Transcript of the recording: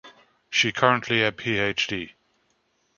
She currently a PhD.